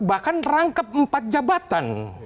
bahkan rangkap empat jabatan